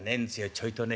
ちょいとね